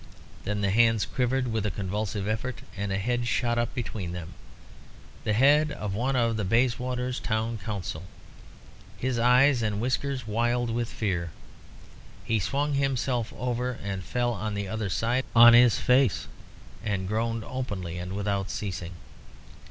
Then the hands quivered with a convulsive effort, and a head shot up between them the head of one of the Bayswater Town Council, his eyes and whiskers wild with fear. He swung himself over, and fell on the other side on his face, and groaned openly and without ceasing.